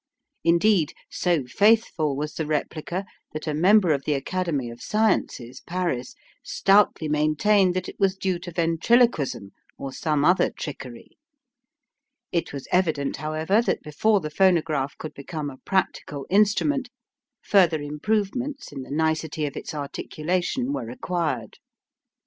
Indeed, so faithful was the replica, that a member of the Academy of Sciences, Paris, stoutly maintained that it was due to ventriloquism or some other trickery. It was evident, however, that before the phonograph could become a practical instrument, further improvements in the nicety of its articulation were required.